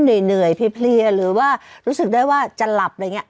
ที่เหนื่อยเพรียบคลีย์หรือว่ารู้สึกได้ว่าจะหลับอย่างนี้